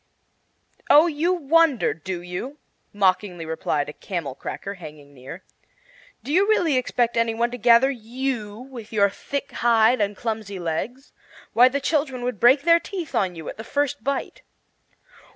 "Oh, you wonder, do you?" mockingly replied a camel cracker hanging near, "do you really expect any one to gather you, with your thick hide and clumsy legs? Why, the children would break their teeth on you at the first bite."